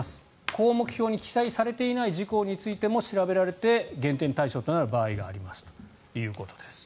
項目表に記載されていない事項についても調べられて減点対象となる場合がありますということです。